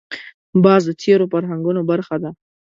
باز د تېرو فرهنګونو برخه ده